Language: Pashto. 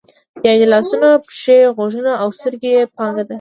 یعنې لاسونه، پښې، غوږونه او سترګې یې پانګه ده.